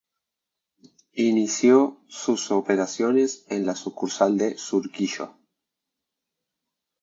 Inició sus operaciones en la sucursal de Surquillo.